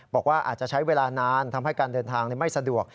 บอกว่าอาจจะใช้เวลานานทำให้การเดินทางไม่สะดวก